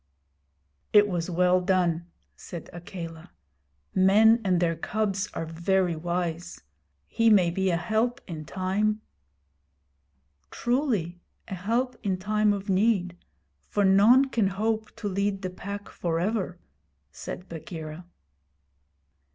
'It was well done,' said Akela. 'Men and their cubs are very wise. He may be a help in time.' 'Truly, a help in time of need; for none can hope to lead the Pack for ever,' said Bagheera.